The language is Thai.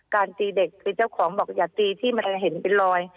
การตีเด็กตรีเจ้าของบอกอย่าตีที่เห็นเป็นรอย